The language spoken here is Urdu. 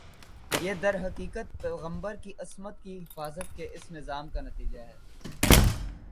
یہ درحقیقت پیغمبر کی عصمت کی حفاظت کے اس نظام کا نتیجہ ہے